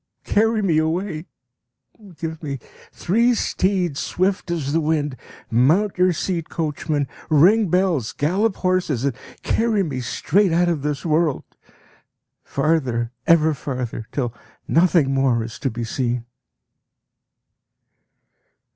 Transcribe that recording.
Carry me away! Give me three steeds swift as the wind! Mount your seat, coachman, ring bells, gallop horses, and carry me straight out of this world. Farther, ever farther, till nothing more is to be seen!